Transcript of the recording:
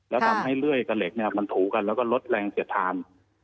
แล้วทำให้เลื่อยกับเหล็กเนี่ยมันถูกันแล้วก็ลดแรงเสียดทาน